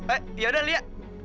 eh yaudah lia